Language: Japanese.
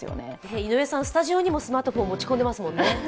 井上さん、スタジオにもスマートフォン持ち込んでいますもんね。